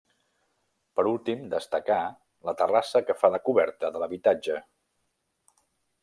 Per últim destacar la terrassa que fa de coberta de l'habitatge.